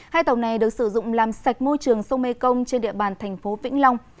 hai tàu này được sử dụng làm sạch môi trường sông mekong trên địa bàn thành phố vĩnh long